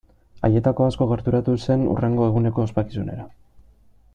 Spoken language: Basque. Haietako asko gerturatu zen hurrengo eguneko ospakizunera.